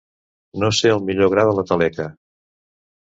No ser el millor gra de la taleca.